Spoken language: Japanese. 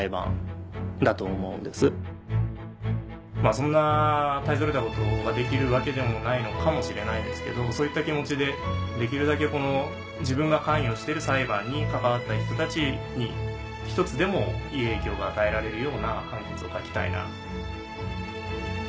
そんな大それたことができるわけでもないのかもしれないですけどそういった気持ちでできるだけ自分が関与してる裁判に関わった人たちに一つでもいい影響が与えられるような判決を書きたいな。